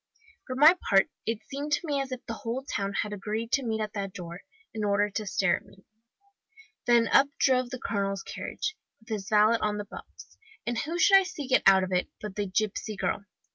For my part, it seemed to me as if the whole town had agreed to meet at that door, in order to stare at me. Then up drove the colonel's carriage, with his valet on the box. And who should I see get out of it, but the gipsy girl!